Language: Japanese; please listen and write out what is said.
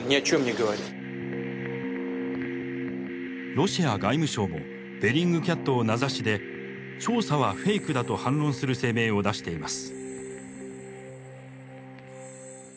ロシア外務省もベリングキャットを名指しで調査はフェイクだと反論する声明を出しています。